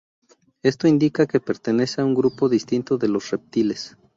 Esto indica que pertenece a un grupo distinto de los reptiles.